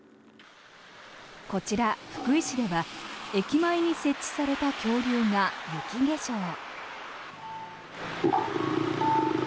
こちら、福井市では駅前に設置された恐竜が雪化粧。